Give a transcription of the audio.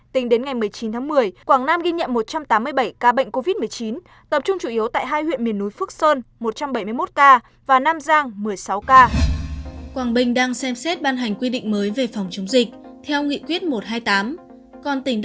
tính đến ngày một mươi chín tháng một mươi quảng nam ghi nhận một trăm tám mươi bảy ca bệnh covid một mươi chín